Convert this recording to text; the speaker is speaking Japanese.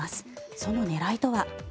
その狙いとは。